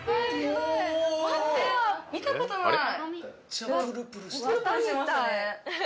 ・見たことない。